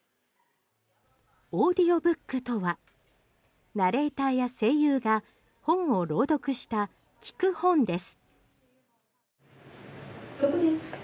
オーディオブックとはナレーターや声優が本を朗読した聴く本です。